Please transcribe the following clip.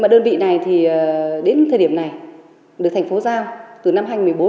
đơn vị này đến thời điểm này được thành phố giao từ năm hai nghìn một mươi bốn